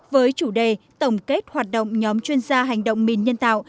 với chủ đề tổng kết hoạt động nhóm chuyên gia hành động mìn nhân tạo